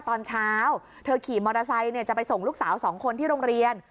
ตอนเช้าเธอขี่มอเตอร์ไซค์จะไปส่งลูกสาว๒คนที่โรงเรียน